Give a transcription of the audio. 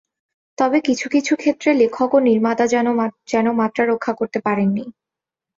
তবে কিছু কিছু ক্ষেত্রে লেখক ও নির্মাতা যেন মাত্রা রক্ষা করতে পারেননি।